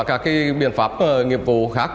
các biện pháp nghiệp vụ khác